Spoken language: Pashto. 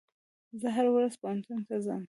زه هره ورځ پوهنتون ته ځم.